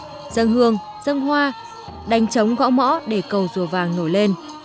hồ nước phía trước ngôi đình làng bích la đánh trống gõ mõ để cầu rùa vàng nổi lên